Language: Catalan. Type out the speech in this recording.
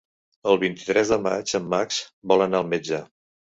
El vint-i-tres de maig en Max vol anar al metge.